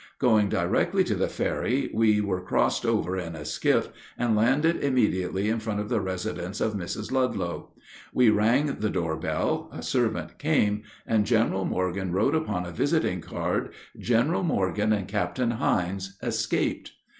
Going directly to the ferry we were crossed over in a skiff and landed immediately in front of the residence of Mrs. Ludlow. We rang the door bell, a servant came, and General Morgan wrote upon a visiting card, "General Morgan and Captain Hines, escaped."